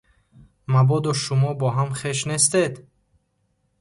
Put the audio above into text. Мабодо шумо бо ҳам хеш нестед?